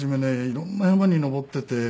色んな山に登ってて。